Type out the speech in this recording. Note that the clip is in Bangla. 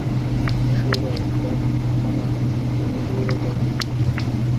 Flora, Fauna, Merryweather aunty.